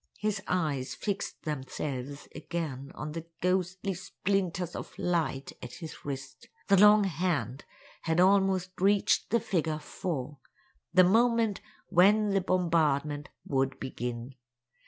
His eyes fixed themselves again on the ghostly splinters of light at his wrist. The long hand had almost reached the figure 4—the moment when the bombardment would begin.